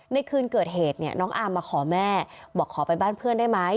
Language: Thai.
ในคืนเกิดเหตุเนี่ยน้องอาร์มมาขอแม่บอกขอไปบ้านเพื่อนได้ไหม